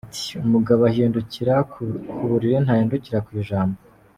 Ati “Umugabo ahindukira ku biriri ntahindukira ku ijambo”.